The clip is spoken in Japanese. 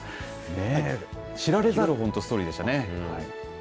知られざる、本当ストーリーでしたね。